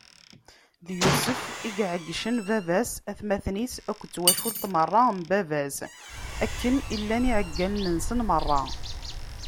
D Yusef i yeɛeggcen baba-s, atmaten-is akked twacult meṛṛa n baba-s, akken i llan iɛeggalen-nsen meṛṛa.